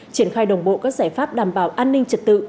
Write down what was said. triển khai đồng bộ các giải pháp đảm bảo an ninh trật tự